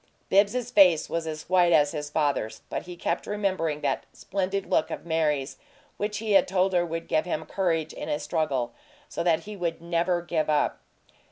Bibbs's face was as white as his father's, but he kept remembering that "splendid look" of Mary's which he had told her would give him courage in a struggle, so that he would "never give up."